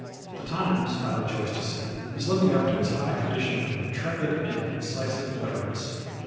The Times, I rejoice to see, is living up to its high traditions of intrepid and incisive utterance.